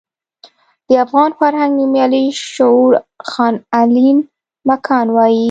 د افغان فرهنګ نومیالی شعور خان علين مکان وايي.